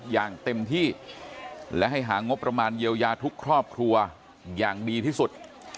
อย่างเต็มที่และให้หางบประมาณเยียวยาทุกครอบครัวอย่างดีที่สุด